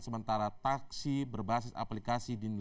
sementara taksi berbasis aplikasi dinilai